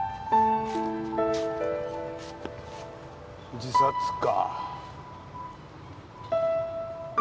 自殺か。